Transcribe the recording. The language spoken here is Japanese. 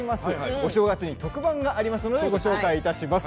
お正月に特番がありますのでご紹介します。